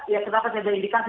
ya kenapa saya diindikasi